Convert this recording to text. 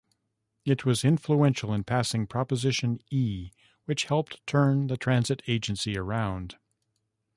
It was influential in passing Proposition E, which helped turn the transit agency around.